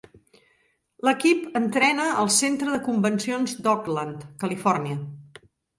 L'equip entrena al Centre de Convencions d'Oakland, Califòrnia.